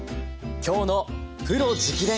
今日の「プロ直伝！」